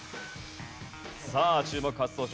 さあ注目初登場